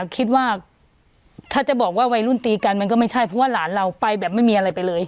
คิดว่าถ้าจะบอกว่าวัยรุ่นตีกันมันก็ไม่ใช่เพราะว่าหลานเราไปแบบไม่มีอะไรไปเลย